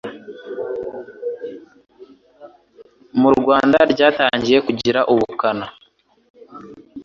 Mu Rwanda ryatangiye kugira ubukana